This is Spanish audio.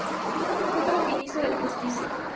Fue como ministro de Justicia.